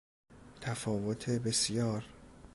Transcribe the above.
تفاوت بسیار